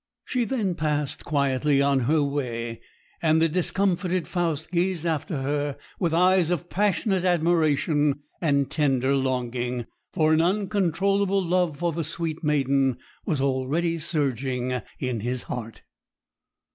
She then passed quietly on her way; and the discomfited Faust gazed after her with eyes of passionate admiration and tender longing, for an uncontrollable love for the sweet maiden was already surging in his heart.